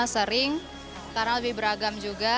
sering karena lebih beragam juga